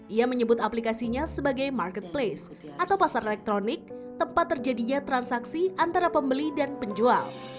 ia menyebut aplikasinya sebagai marketplace atau pasar elektronik tempat terjadinya transaksi antara pembeli dan penjual